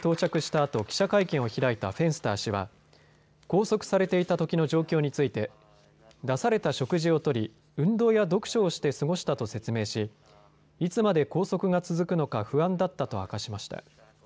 あと記者会見を開いたフェンスター氏は拘束されていたときの状況について出された食事をとり、運動や読書をして過ごしたと説明しいつまで拘束が続くのか不安だったと明かしました。